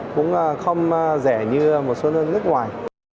cũng không rẻ như một số nơi nước ngoài